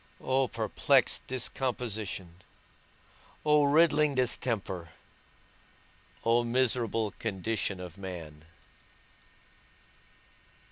O perplexed discomposition, O riddling distemper, O miserable condition of man!